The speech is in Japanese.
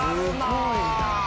すごいな。